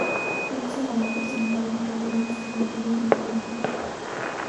En ese momento, sin embargo, en realidad estaba libre en Formosa.